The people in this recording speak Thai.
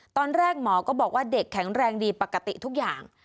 ตอนแรกหมอก็บอกว่าเด็กแข็งแรงดีปกติทุกอย่าง